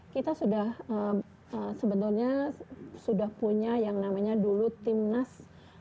kita sudah sebetulnya sudah punya yang namanya dulu timnas